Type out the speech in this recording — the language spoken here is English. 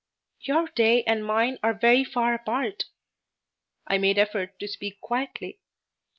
"Your day and mine are very far apart." I made effort to speak quietly.